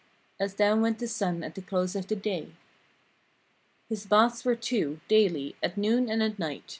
As down went the sun at the close of the day. His baths were two, daily, at noon and at night.